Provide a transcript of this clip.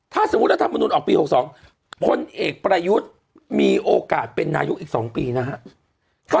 ถ้าสมมุติรัฐมนุนออกปี๖๒พลเอกประยุทธ์มีโอกาสเป็นนายกอีก๒ปีนะครับ